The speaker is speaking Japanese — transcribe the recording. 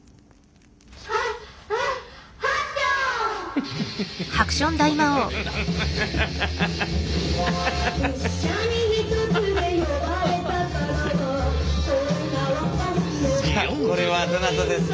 さあこれはどなたですか？